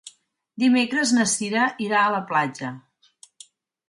Dimecres na Cira irà a la platja.